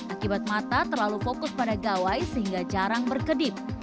akibat mata terlalu fokus pada gawai sehingga jarang berkedip